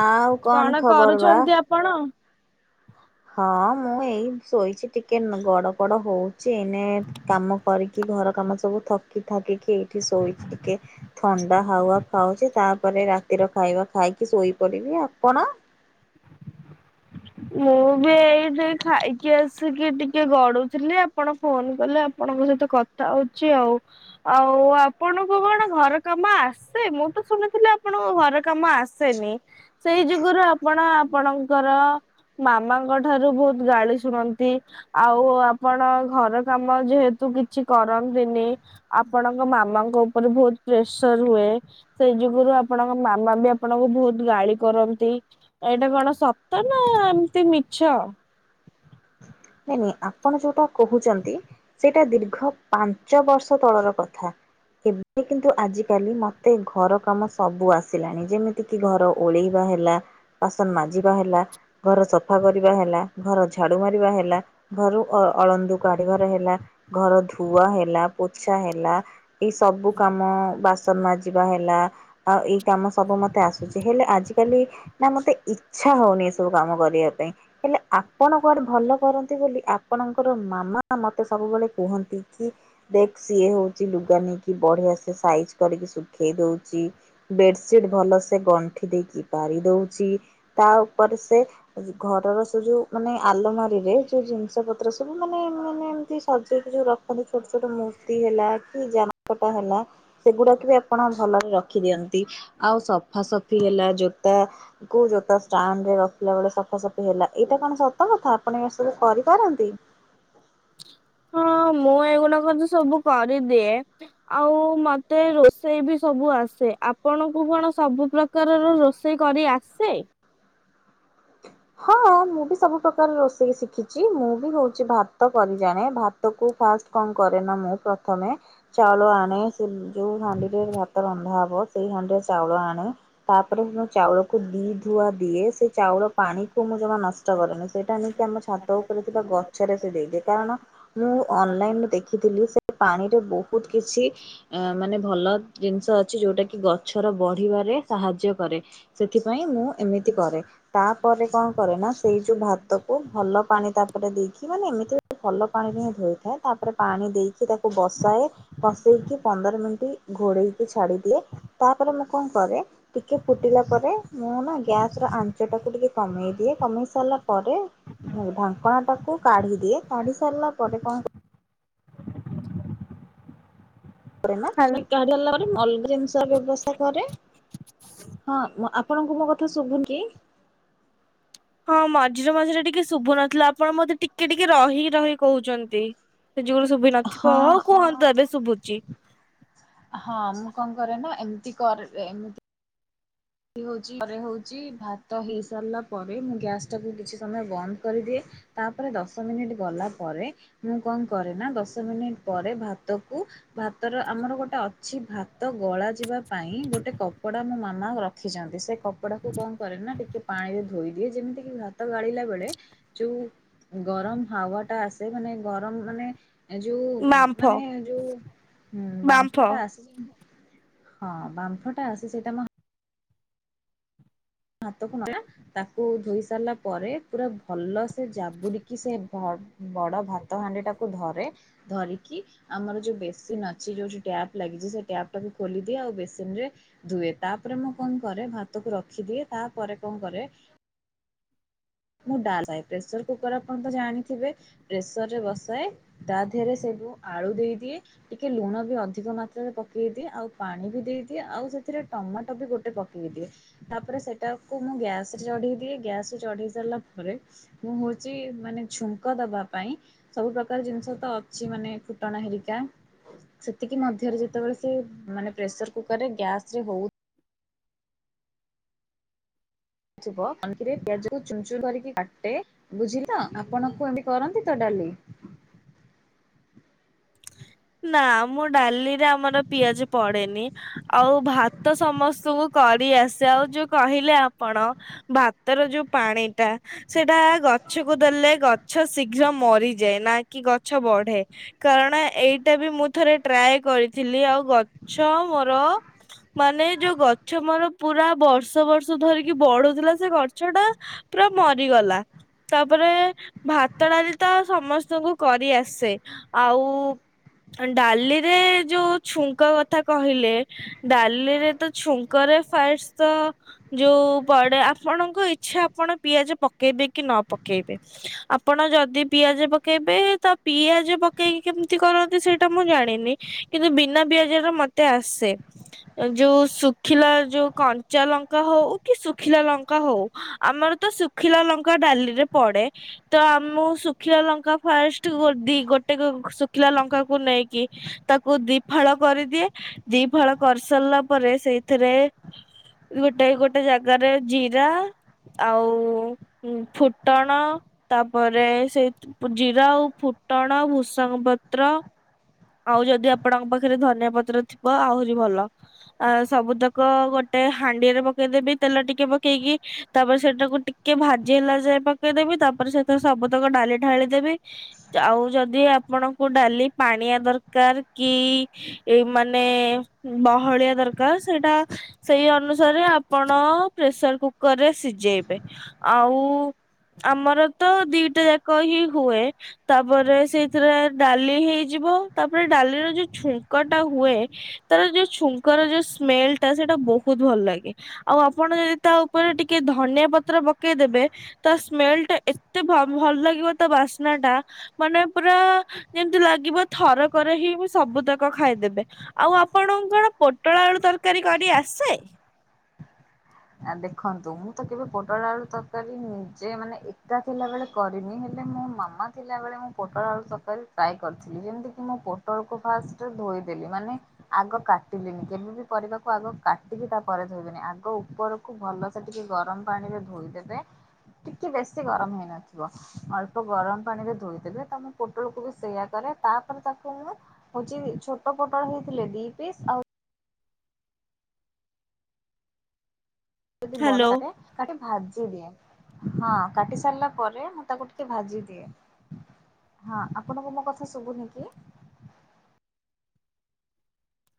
ଆଉ କଣ ଖବର ବା। କରୁଛନ୍ତି କଣ ହଁ ମୁଁ ଏଇ ଶୋଇଛି ଟିକେ ନ ଗଡ ପଡ ହଉଚି ଏନେ କାମ କରିକି କି ଘର କାମ ସବୁ ଥକି ଥକିକି ଏଇଠି ଶୋଇଚି ଟିକେ ଥଣ୍ଡା ହାୱା ଖାଉଚି ତା ତା ପରେରେ ରାତିର ଖାଇବା ଖାଇକି ଶୋଇପଡ଼ିବି ଆପଣ? ମୁଁ ବି ଏଇଠି ଖାଇକି ଆସିକି ଟିକେ ଗଡୁଥିଲି ଆପଣ ଫୋନ କଲେ ଆପଣଙ୍କ ସହିତ କଥା ହଉଚି ଆଉ। ଆଉ ଆପଣଙ୍କୁ କଣ ଘର କାମ ଆସେ ମୁଁ ତ ଶୁଣିଥିଲି ଆପଣଙ୍କୁ ଘର କାମ ଆସ ସେନି ସେଇ ଯୁଗରୁ ଆପଣ ଆପଣଙ୍କର ମାମାଙ୍କ ଠାରୁ ବହୁତ ଗାଳି ଶୁଣନ୍ତି। ଆଉ ଆପଣ ଘର କାମ ଯେହେତୁ କିଛି କରନ୍ତିନି ଆପଣଙ୍କ ମାମାଙ୍କ ଉପରେ ବହୁତ ପ୍ରେସର ହୁଏ। ସେଇ ଯୁଗରୁ ଆପଣଙ୍କ ମାମା ବି ଆପଣଙ୍କୁ ବହୁତ ଗାଳି କରନ୍ତି ଏଇଟା କଣ ସତ ନା ଏମିତି ମିଛ? ନାଇ ନାଇଁ ଆପଣ ଯୋଉଟା କହୁଚନ୍ତି ସେଇଟା ଦୀର୍ଘ ପାଞ୍ଚ ବର୍ଷ ତଳର କଥା। ଏବେ କିନ୍ତୁ ଆଜିକାଲି ମତେ ଘର କାମ ସବୁ ଆସିଲାଣି ଯେମିତିକି କି ଘର ଓଳେଇବା ହେଲା ବାସନ ମା ଯିବା ହେଲା ଘର ସଫା କରିବା ହେଲା ଘର ଝାଡ଼ୁ ମାରିବା ହେଲା। ଘରୁ ଅ ଅଳନ୍ଦୁ କାଢିବାର ହେଲା ଘର ଧୁଆ ହେଲା ପୋଛା ହେଲା। ଏଇ ସବୁ କାମ ବାସନ ମାଜିବା ହେଲା ଆଉ ଏଇ କାମ ସବୁ ମତେ ଆସୁଚି ହେଲେ ଆଜି କାଲି ନା ମତେ ଇଚ୍ଛା ହଉନି ଏ ସବୁ କାମ କରିବା ପାଇଁ ହେଲେ ଆପଣ କୁଆଡେ ଭଲ କରନ୍ତ ନ୍ତୀ ବୋଲି ଆପଣଙ୍କର ମାମା ମତେ ସବୁବେଳେ କୁହନ୍ତି କି ଦେଖ ସିଏ ହଉଚି ଲୁଗା ନେଇକି ବଢିଆ ସେ ସାଇଜ୍ କରିକି ଶୁଖେଇ ଦଉଚି ବେଡସିଟ୍ ଭଲ ସେ ଗଣ୍ଠି ଦେଇକି ପାରି ଦଉଚି। ତା ଉପରେ ସେ ଘରର ସେ ଯୋଉ ମାନେ ଆଲମାରିରେ ଯ ଜିନିଷ ପତ୍ର ସବୁ ମାନେ ମାନେ ଏମିତି ସଜେଇକି ଯୋଉ ରଖନ୍ତି ଛୋଟ ଛୋଟ ମୂର୍ତ୍ତି ହେଲା କି ଯାହା କଟା ହେଲା ସେଗୁଡାକ ବି ଆପଣ ଭଲରେ ରଖି ଦିଅନ୍ତି ଆଉ ସଫା ସଫି ହେଲା ଜୋତା କୋଉ ଜୋତା ଷ୍ଟାଣ୍ଡ ରେ ରଖିଲା ବେଳେ ସଫାସଫି ହେଲା ଏଇଟା କଣ ସତ କଥା ଆପଣ କରିପାରନ୍ତି? ହଁ ମୁଁ ଏଇଗୁଡାକ ତ ସବୁ କରିଦିଏ। ଆଉ ମତେ ରୋଷେଇ ବି ସବୁ ଆସେ ଆପଣଙ୍କୁ କଣ ସବୁ ପ୍ରକାର ରୋଷେଇ କରି ଆସେ? ହଁ। ମୁଁ ବି ସବୁ ପ୍ରକାର ରୋଷେଇ ଶିଖିଛି ମୁଁ ବି ହଉଛି ଭାତ କରି ଜାଣେ ଭାତକୁ ଫାଷ୍ଟ କଣ କରେ ନା ମୁଁ ପ୍ରଥମେ ଚାଉଳ ଆଣେ ସେ ଯଉ ହାଣ୍ଡିରେ ଭାତ ରନ୍ଧା ହବ ସେଇ ହାଣ୍ଡିରେ ଚାଉଳ ଆଣେ ତାପରେ ସେ ଚାଉଳକୁ ଦି ଧୁଆ ଦିଏ ସେ ଚାଉଳ ପାଣିକୁ ମୁଁ ଜମା ନଷ୍ଟ କରେନି ସେଇଟା ନେଇକି ଆମ ଛାତ ଉପରେ ଥିବା ଗଛରେ ସେ ଦେଇଦିଏ କାରଣ ମୁଁ ଅନଲାଇନରୁ ଦେଖିଥିଲି ସେ ପାଣିରେ ବହୁତ କିଛି ଅ ମାନେ ଭଲ ଜିନିଷ ଅଛି ଯୋଉଟା କି ଗଛର ବଢିବାରେ ସାହାଯ୍ୟ କରେ ସେଥିପାଇଁ ମୁଁ ଏମିତି କରେ ତା ପରେ କଣ କରେ ନା ସେଇ ଯୋଉ ଭାତ କୁ ଭଲ ପାଣି ତା ତାପରେ ଦେଇକି ମାନେ ଏମିତିରେ ଭଲ ପାଣିରେ ହିଁ ଧୋଇଥାଏ ତାପରେ ପାଣି ଦେଇକି ତାକୁ ବସାଏ। ବସେଇକି ପନ୍ଦର ମିନିଟ୍ ଘୋଡେଇକି ଛାଡ଼ି ଦିଏ। ତାପରେ ମୁଁ କଣ କରେ ଟିକେ ଫୁଟିଲା ପରେ ମୁଁ ନା ଗ୍ୟାସ ର ଆ ସେଟାକୁ ଟିକେ କମେଇ ଦିଏ କମେଇ ସାରିଲା ପରେ ଢାଙ୍କୁଣା ଟାକୁ କାଢିଦିଏ କାଢି ସାରିଲା ପରେ କଣ ପଡ଼େ ନା ହାଲ କାଢିସାରିଲା ପରେ ମୁଁ ଅଲଗା ଜିନିଷ ର ବ୍ୟବସ୍ଥା କରେ। ହଁ ଆପଣଙ୍କୁ ମୋ କଥା ଶୁଭୁନି କି? ହଁ ମଝିରେ ମଝିରେ ଟିକେ ଶୁଭୁନଥିଲା ଆପଣ ବୋଧେ ଟିକେ ଟିକେ ରହିି ରହି କହୁଛନ୍ତି। ସେ ଯେବେ ଶୁଭି ନଥିବ ହଁ ହଉ କୁହନ୍ତୁ ଏବେ ଶୁଭୁଚି। ହଁ ମୁଁ କଣ କରେ ନା ଏମିତିକରେ ଏମତି ହଉଛି ପରେ ହଉଛି ଭାତ ହେଇ ସାରିଲା ପରେ ମୁଁ ଗ୍ୟାସଟାକୁ କିଛି ସମୟ ବନ୍ଦ କରିଦିଏ। ତାପରେ ଦଶ ମିନିଟ ଗଲା ପରେ ମୁଁ କଣ କରେ ନା ଦଶ ମିନିଟ ପରେ ଭାତକୁ ଭାତର ଆମର ଗୋଟେ ଅଛି ଭାତ ଗଳା ଯିବା ପାଇଁ ଗୋଟେ କପଡା ମୋ ମାମା ର ରଖିଛନ୍ତି ସେ କପଡାକୁ କଣ କରେ ନା ଟିକେ ପାଣିରେ ଧୋଇଦିଏ ଯେମିତି କିି ଭାତ ଗାଳିଲା ବେଳେ ଯଉ ଗରମ ହାୱାଟା ଆସେ ମାନେ ଗରମ ମାନେ ଏ ଯୋଉ ବାମ୍ଫ ମାନେ ଯୋଉ ଉଁ ବାମ୍ଫ। ବାମ୍ଫଟା ଆସେ ହଁ ବାମ୍ଫଟା ଆସେ ସେଇଟା ମ ହାତକୁ [unintelligible] ତାକୁ ଧୋଇ ସାରିଲା ପରେ ପୁରା ଭଲ ସେ ଜାବୁଡିକି ସେ ବ ବଡ ଭାତ ହାଣ୍ଡିଟାକୁ ଧରେ ଧରିକି ଆମର ଯୋଉ ବେସିନ ଅଛି, ଯୋଉଠି ଟ୍ୟାପ ଲାଗିଛି, ସେ ଟ୍ୟାପଟାକୁ ଖୋଲିଦିଏ ଆଉ ବେସିନରେ ଧୁଏ ତାପରେ ମୁଁ କଣ କରେ ଭାତକୁ ରଖିଦିଏ ତାପରେ କଣ କରେ ମୁଁ ଡାଲ ଖାଏ ପ୍ରେସର କୁକର ଆପଣ ତ ଜାଣିଥିବେ ପ୍ରେସରରେ ବସାଏ ତା ଦେହରେ ସେଠୁ ମୁଁ ଆଳୁ ଦେଇଦିଏ ଟିକେ ଲୁଣ ବି ଅଧିକ ମାତ୍ରାରେ ପକେଇଦିଏ ଆଉ ପାଣି ବି ଦେଇଦିଏ ଆଉ ସେଥିରେ ଟମାଟୋ ବି ଗୋଟେ ପ କେଇ ଦିଏ ତାପରେ ସେଟାକୁ ମୁଁ ଗ୍ୟାସରେ ଚଢେଇ ଦିଏ ଗ୍ୟାସରେ ଚଢେଇ ସାରିଲା ପରେ ମୁଁ ହଉଛି ମାନେ ଛୁଙ୍କ ଦବା ପାଇଁ ସବୁ ପ୍ରକାର ଜିନିଷ ତ ଅଛି ମାନେ ଫୁଟଣ ହେରିକା ସେତିକି ମଧ୍ୟରେ ଯେତେବେଳେ ସେ ମାନେ ପ୍ରେସର କୁକରରେ ଗ୍ୟାସରେ ହଉ ଥିବ ପନିକିରେ ପିଆଜ କୁ ଚୁନ୍ ଚୁନ୍ କରିକି କାଟେ ବୁଝିଲ ଆପଣଙ୍କୁ ଏମିତି କରନ୍ତି ତ ଡାଲି? ନା ମ ଡାଲିରେ ଆମର ପିଆଜ ପଡେନି ଆଉ ଭାତ ସମସ୍ତଙ୍କୁ କଡିଆସେ ଆଉ ଯୋଉ କହିଲେ ଆପଣ! ଭାତର ଯୋଉ ପାଣି ଟା ସେଟା ଗଛ କୁ ଦେଲେ ଗଛ ଶୀଘ୍ର ମରିଯାଏ, ନା କି ଗଛ ବଢେ। କାରଣ ଏଇଟା ବି ମୁଁ ଥରେ ଟ୍ରାଏ କରିଥିଲି ଆଉ ଗଛ ମୋର ମାନେ ଯୋଉ ଗଛ ମୋର ପୁରା ବର୍ଷ, ବର୍ଷ ଧରିକି ବଢୁଥିଲା ସେ ଗଛ ଟା ପୁରା ମରିଗଲା। ତାପରେ, ଭାତ ଡାଲି ତ ସମସ୍ତଙ୍କୁ କରି ଆସେ ଆଉ ଡାଲିରେ ଯୋଉ ଛୁଙ୍କ କଥା କହିଲେ! ଡାଲିରେ ତ ଛୁଙ୍କରେ ଫାଇଡସ୍ତ ତ ଯୋଉ ପଡେ ଆପଣଙ୍କ ଇଛା ଆପଣ ପିଆଜ ପକେଇବେ କି ନ ପକେଇବେ। ଆପଣ ଯଦି ପିଆଜ ପକେଇବେ ତ ପିଆଜ ପକେଇକି କେମ---! ତି କରନ୍ତି ସେଇଟା ମୁଁ ଜାଣିନି କିନ୍ତୁ ବିନା ପିଆଜର ମତେ ଆସେ। ଯୋଉ ଶୁଖିଲା ଯୋଉ କଞ୍ଚା ଲଙ୍କା ହଉ କି, ଶୁଖିଲା ଲଙ୍କା ହଉ। ଆମର ତ ଶୁଖିଲା ଲଙ୍କା ଡାଲି ରେ ପଡେ। ତ ଆ ମୁଁ ଶୁଖିଲା ଲଙ୍କା ଫାଷ୍ଟ ଗୋଡ଼ି ଗୋଟେକୁ ଶୁଖିଲା ଲଙ୍କା କୁ ନେଇକି ତାକୁ ଦି ଫାଳ କରିଦିଏ, ଦି ଫାଳ କରି ସାରିଲା ପରେ ସେଇଥିରେ ଗୋଟାଏ ଗୋଟେ ଜାଗାରେ ଜିରା ଆଉ ହୁଁ ଫୁଟଣ। ତାପରେ ସେଇ ପୁ ଜିରା, ଆଉ ଫୁଟଣ, ଭୂସଙ୍ଗ ପତ୍ର, ଆଉ ଯଦି ଆପଣଙ୍କ ପାଖରେ ଧନିଆ ପତ୍ର ଥିବ ଆହୁରି ଭଲ। ଆ ସବୁତକ ଗୋଟେ ହାଣ୍ଡିରେ ପକେଇଦେବି ତେଲ ଟିକେ ପକେଇକି, ତାପରେ ସେଟାକୁ ଟି। କେ ଭାଜି ହେଲା ଯାଏ ପକେଇଦେବି ତାପରେ, ସେଥିରେ ସବୁତକ ଡାଲି ଢାଳି ଦେବି। ଆଉ ଯଦି ଆପଣଙ୍କୁ ଡାଲି ପାଣିଆ ଦରକାର କି ଏଇ ମାନେ ବହଳିଆ ଦରକାର ସେଇଟା ସେଇ ଅନୁସାରେ ଆପଣ ପ୍ରେସର କୁକରରେ ସିଝେଇବେ ଆଉ ଆମର ତ ଦିଟା ଯାକ ହିଁ ହୁଏ ତାପରେ ସେଇଥିରେ ଡାଲି ହେଇଯିବ ତାପରେ, ଡାଲିର ଯୋଉ ଛୁଙ୍କ ଟା ହୁଏ ତାର ଯୋଉ ଛୁଙ୍କର ଯୋଉ ସ୍ମେଲ ଟା ସେଇଟା ବହୁତ ଭଲ ଲାଗେ। ଆଉ ଆପଣ ଯଦି ତା ଉପରେ ଟିକେ ଧନିଆ ପତ୍ର ପକେଇଦେବେ। ତା ସ୍ମେଲ ଟା ଏତେ ଭ ଭଲ ଲାଗିବ ତା ବାସ୍ନା ଟା ମାନେ ପୁରା ଯେମତି ଲାଗିବ ଥରକରେ ହିଁ ମୁଁ ସବୁତକ ଖାଇଦେବେ। ଆଉ ଆପଣଙ୍କୁ କଣ ପୋଟଳ-ଆଳୁ ତରକାରୀ କରି ଆସେ? ଆ ଦେଖନ୍ତୁ ମୁଁ ତ କେବେ ପୋଟଳ ଆଳୁ ତରକାରୀ ନିଜେ ମାନେ ଏକା ଥିଲା ବେଳେ କରିନି ହେଲେ ମୋ ମାମା ଥିଲାବେଳେ ମୁଁ ପୋଟଳ ଆଳୁ ତରକାରୀ ପ୍ରାଏ କରିଥିଲି ଯେମିତି କି ମୁ ପୋଟଳକୁ ଫାଷ୍ଟ ଧୋଇଦେଲି ମାନେ ଆଗ କାଟିଲିନି କେବେ ବି ପରିବାକୁ ଆଗ କାଟିକି ତାପରେ ଧୋଇବେନି ଆଗ ଉପର ଭଲସେ ଟିକେ ଗରମ ପାଣି ରେ ଧୋଇଦେବେ ଟିକେ ବେଶୀ ଗରମ ହେଇନଥିବ। ଅଳ୍ପ ଗରମ ପାଣି ରେ ଧୋଇଦେବେ ତ ମୁ ପୋଟଳକୁ ବି ସେଇୟା କରେ ତାପରେ ତାକୁ ମୁଁ ହଉଛି ଛୋଟ ପୋଟଳ ହେଇଥିଲେ ଦି ପିସ୍ ଆଉ ଯଦି ବଡ଼ ହ୍ୟାଲୋ [unintelligible] କାଟିି ଭାଜି ଦିଏ ହଁ କାଟି ସାରିଲା ପରେ ମୁଁ ତାକୁ ଟିକେ ଭାଜି ଦିଏ। ହଁ ଆପଣଙ୍କୁ ମୋ କଥା ଶୁଭୁନି କି?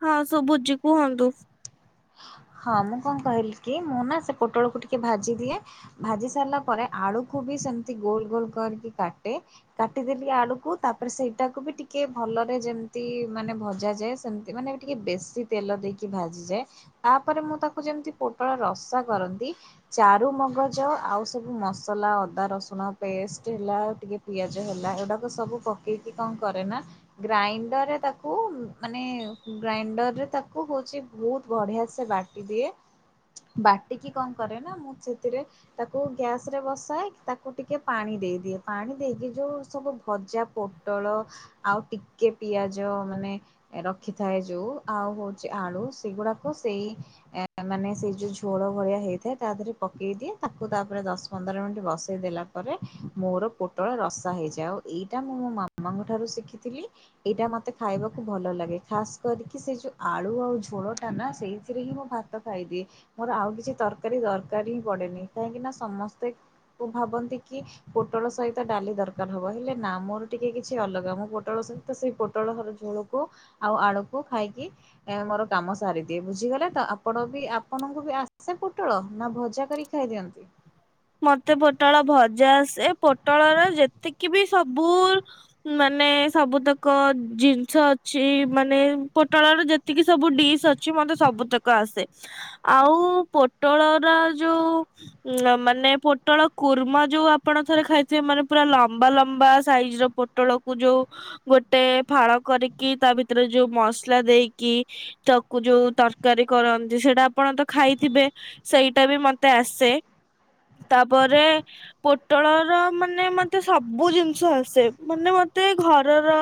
ହଁ ସୁଭୁଚି କୁହନ୍ତୁ। ହଁ ମୁଁ କଣ କହିଲି କି ମୁଁ ନା ସେ ପୋଟଳକୁ ଟିକେ ଭାଜି ଦିଏ। ଭାଜି ସାରିଲା ପରେ ଆଳୁକୁ ବି ସେମତି ଗୋଲ ଗୋଲ କରିକି କାଟେ। କାଟିଦେଲି ଆଳୁକୁ ତାପରେ ସେଇଟାକୁ ବି ଟିକେ ଭଲରେ ଯେମତି ମାନେ ଭଜା ଯାଏ ସେମତି ସେ ମାନେ ଏବେ ଟିକେ ବେଶୀ ତେଲ ଦେଇକି ଭାଜିଯାଏ। ତାପରେ ମୁଁ ତାକୁ ଯେମିତି ପୋଟଳ ରସା କରନ୍ତି। ଚାରୁ ମଗଜ ଆଉ ସବୁ ମସଲା ଅଦା ରସୁଣ ପେଷ୍ଟ ହେଲା ଟିକେ ପିଆଜ ହେଲା ଏଗୁଡ଼ାକ ସବୁ ପକେଇକି କଣ କରେ ନା ଗ୍ରାଇଣ୍ଡରରେ ତାକୁ ମାନେ ଗ୍ରାଇଣ୍ଡର ରେ ତାକୁ ହଉଛି ବହୁତ ବଢିଆ ସେ ବାଟି ଦିଏ ବାଟିକି କଣ କରେ ନା ମୁଁ ସେଥିରେ ତାକୁ ଗ୍ୟାସ ରେ ବସାଏ ତାକୁ ଟିକେ ପାଣି ଦେଇଦିଏ ପାଣି ଦେଇକି ଯୋଉ ସବୁ ଭଜା ପ ଟଳ ଆଉ ଟିକେ ପିଆଜ ମାନେ ରଖିଥାଏ ଯୋଉ ଆଉ ହୋଉଛି ଆଳୁ ସେଗୁଡା କୁଷେଇ ଏ ମାନେ ସେଇ ଯୋଉ ଝୋଳ ଭଳିଆ ହେଇଥାଏ ତା ଦେହରେ ପକେଇ ଦିଏ ତାକୁ ତାପରେ ଦଶ ପନ୍ଦର ମିନିଟ୍ ବସେଇଦେଲା ପରେ ମୋର ପୋଟଳ ରସା ହେଇଯାଏ ଆଉ ଏଇଟା ମୁଁ ମୋ ମାମାଙ୍କ ଠାରୁ ଶିଖିଥିଲି। ଏଇଟା ମତେ ଖାଇବାକୁ ଭଲ ଲାଗେ ଖାସ କରିକି ସେ ଯୋଉ ଆଳୁ ଆଉ ଝୋଳ ନା ନା ସେଇଥିରେ ହିଁ ମୁଁ ଭାତ ଖାଇଦିଏ। ମୋର ଆଉ କିଛି ତରକାରୀ ଦରକାର ହିଁ ପଡେନି। କାହିଁକି ନା ସମସ୍ତେ ଭାବନ୍ତି କି ପୋଟଳ ସହିତ ଡାଲି ଦରକାର ହବ ହେଲେ ନା ମୋର ଟିକେ କିଛି ଅଲଗା ମୁଁ ପୋଟଳ ସ ତ ସେଇ ପୋଟଳ ଘର ଝୋଳକୁ ଆଉ ଆଳୁକୁ ଖାଇକି ମୋର କାମ ସାରିଦିଏ ବୁଝିଗଲେ ତ ଆପଣ ବି ଆପଣଙ୍କୁ ବି ଆସେ ପୋଟଳ ନା ଭଜା କରି ଖାଇଦିଅନ୍ତି? ମତେ ପୋଟଳ ଭଜା ଆସେ ପୋଟଳର ଯେତିକି ବି ସବୁ ମାନେ ସବୁତକ ଜିନିଷ ଅଛି ମାନେ ପୋଟଳର ଯେତେ ଏତିକି ସବୁ ଡିସ୍ ଅଛି ମତେ ସବୁତକ ଆସେ। ଆଉ ପୋଟଳର ଯୋଉ ମାନେ ମାନେ ପୋଟଳ କୁର୍ମା ଯୋଉ ଆପଣ ଥରେ ଖାଇଥିବେ ମାନେ ପୁରା ଲମ୍ବା ଲମ୍ବା ସାଇଜ ର ପୋ ପୋଟଳକୁ ଯୋଉ ଗୋଟେ ଫାଳ କରିକି ତା ଭିତରେ ଯୋଉ ମସଲା ଦେଇକି ତାକୁ ଯୋଉ ତରକାରୀ କରନ୍ତି ସେଇଟା ଆପଣ ତ ଖାଇଥିବେ। ସେଇଟା ବି ମତେ ଆସେ। ତାପରେ ପୋଟଳର ମାନେ ମତେ ସବୁ ଜିନିଷ ଆସେ ମାନେ ମତେ ଘରର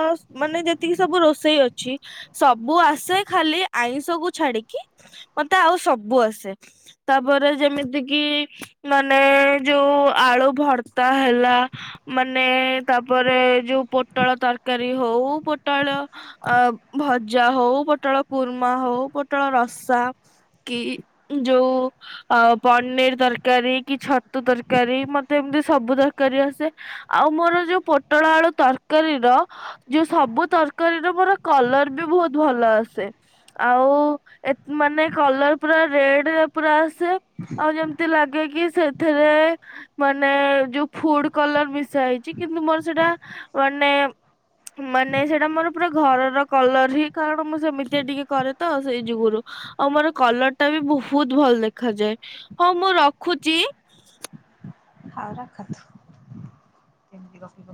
ମାନେ ଯେତିକି ସବୁ ରୋଷେଇ ଅଛି ସବୁ ଆସେ ଖାଲି ଆଇଁଷକୁ ଛାଡିକି। ମତେ ଆଉ ସବୁ ଆସେ ତାପରେ ଯେମିତି କିି ମାନେ ଯୋଉ ଆଳୁ ଭର୍ତା ହେଲା ମାନେ ତାପରେ ଯୋଉ ପୋଟଳ ତରକାରୀ ହୋଉ ପୋଟଳ ଅ ଭଜା ହୋଉ ପୋଟଳ କୁର୍ମା ହୋଉ ପୋଟଳ ରସା କି ଯୋଉ ଅ ପନିରୀ ତର ତରକାରୀ କି ଛତୁ ତରକାରୀ ମତେ ଏମିତି ସବୁ ତରକାରୀ ଆସେ। ଆଉ ମୋର ଯୋଉ ପୋଟଳ ଆଳୁ ତରକାରୀର ଯୋଉ ସବୁ ତରକାରୀ ର ମୋର କଲର ବି ବହୁତ ଭଲ ଆସେ। ଆଉ ମାନେ କଲର ପୁରା ରେଡ ପୁରା ଆସେ ଆଉ ଯେମିତି ଲାଗ କିଏ କିଏ ସେଥେରେ ମାନେ ଯୋଉ ଫୁଡ କଲର ମିଶା ହେଇଛି କିନ୍ତୁ ମୋର ସେଟା ମାନେ ମାନେ ସେଇଟା ମୋର ପୁରା ଘରର କଲର ହିଁ କାରଣ ମୁଁ ସେମିତିଆ ଟିକେ କରେ ତ ସେଇ ଯୁଗରୁ ଆଉ ମୋର କଲରଟା ବି ବହୁତ ଭଲ ଦେଖାଯାଏ ହଁ ମୁଁ ରଖୁଛି। ହଉ ରଖୁଚି। [unintelligible]